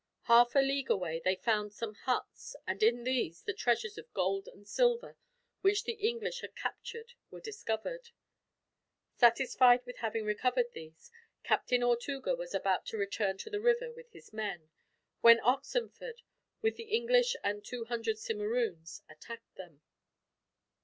Half a league away they found some huts, and in these the treasures of gold and silver which the English had captured were discovered. Satisfied with having recovered these, Captain Ortuga was about to return to the river with his men; when Oxenford, with the English and two hundred Simeroons, attacked them.